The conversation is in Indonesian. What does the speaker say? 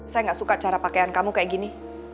saya gak suka cara pakaian kamu kayak gini